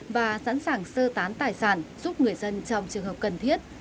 và sẵn sàng sơ tán tài sản giúp người dân trong trường hợp cần thiết